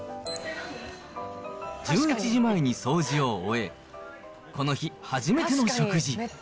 １１時前に掃除を終え、この日、初めての食事。